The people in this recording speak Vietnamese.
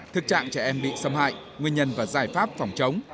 thực trạng trẻ em bị xâm hại nguyên nhân và giải pháp phòng chống